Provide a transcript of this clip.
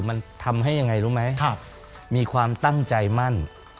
มันทำให้ยังไงรู้ไหมมีความตั้งใจมั่น